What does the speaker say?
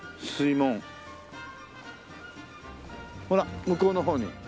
ほら向こうの方に。